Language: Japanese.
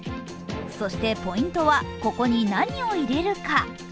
そしてポイントは、ここに何を入れるか。